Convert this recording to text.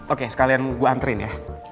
oke sekalian gue antren ya